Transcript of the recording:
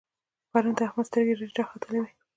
پرون د احمد سترګې رډې را ختلې وې.